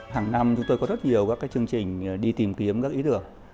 hàng năm chúng tôi có rất nhiều các chương trình đi tìm kiếm các ý tưởng